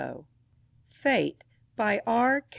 FATE BY R.